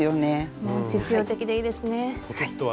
もう実用的でいいですね。